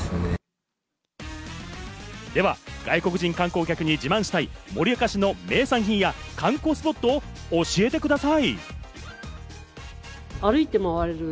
では外国人観光客に自慢したい盛岡市の名産品や観光スポットを教えてください。